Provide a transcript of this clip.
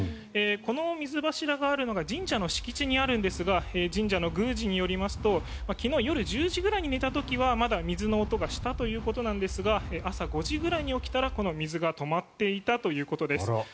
この水柱があるのが神社の敷地内にあるんですが神社の宮司によりますと昨日夜１０時ぐらいに寝た時はまだ水の音がしたということなんですが朝５時くらいに起きたらこの水が止まっていたということです。